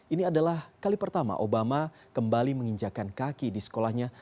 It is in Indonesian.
ini adalah kali pertama obama kembali menginjakan kaki di sekolahnya